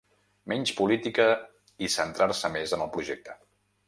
Menys política i centrar-se més en el projecte.